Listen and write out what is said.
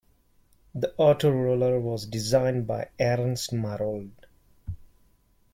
The Autoroller was designed by Ernst Marold.